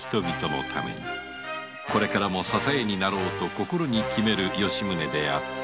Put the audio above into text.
これからも支えになろうと心に決める吉宗であった